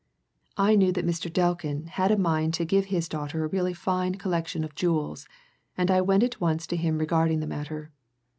I knew that Mr. Delkin had a mind to give his daughter a really fine collection of jewels, and I went at once to him regarding the matter.